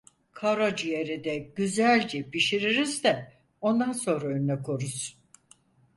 Karaciğeri de güzelce pişiririz de ondan sonra önüne koruz.